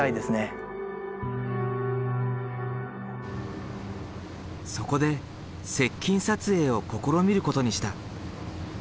そこで接近撮影を試みることにした。